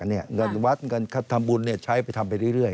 เงินวัดเงินทำบุญใช้ไปทำไปเรื่อย